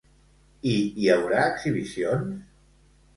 I hi haurà exhibicions?